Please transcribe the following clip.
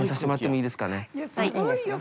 いいですよ。